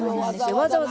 わざわざ。